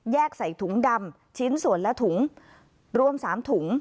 ใส่ถุงดำชิ้นส่วนและถุงรวม๓ถุง